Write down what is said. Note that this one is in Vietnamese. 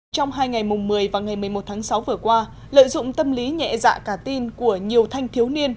trong hai ngày mùng một mươi và ngày một mươi một tháng sáu vừa qua lợi dụng tâm lý nhẹ dạ cả tin của nhiều thanh thiếu niên